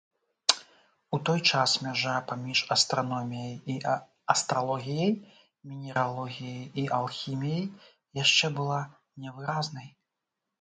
У той час мяжа паміж астраноміяй і астралогіяй, мінералогіяй і алхіміяй яшчэ была невыразнай.